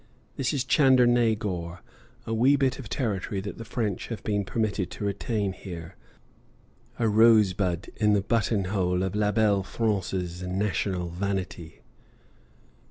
This is Chandernagor, a wee bit of territory that the French have been permitted to retain here, a rosebud in the button hole of la belle France's national vanity.